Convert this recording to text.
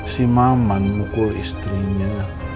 si maman mukul istrinya